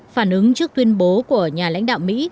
phản ứng trước tuyên bố của nhà lãnh đạo mỹ